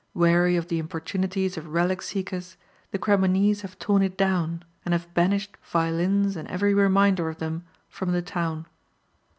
Weary of the importunities of relic seekers, the Cremonese have torn it down, and have banished violins and every reminder of them from the town.